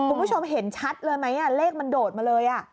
คุณผู้ชมเห็นชัดเลยไหมเลขมันโดดมาเลย